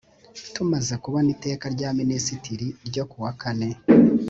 tumaze kubona iteka rya minisitiri n ryo kuwa kane